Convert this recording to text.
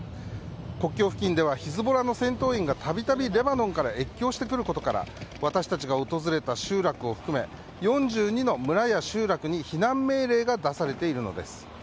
国境付近ではヒズボラの戦闘員が度々レバノンから越境してくることから私たちが訪れた集落を含め４２の村や集落に避難命令が出されているのです。